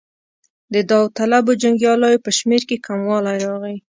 د داوطلبو جنګیالیو په شمېر کې کموالی راغی.